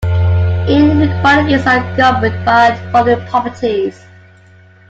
Inequalities are governed by the following properties.